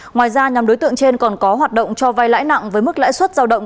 ngoài ra nhóm đối tượng trên còn có hoạt động cho vai lãi nặng với mức lãi suất giao động